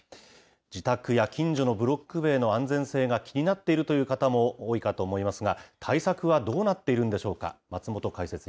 自宅や近所のブロック塀の安全性が気になっているという方も多いかと思いますが、対策はどうなっているんでしょうか。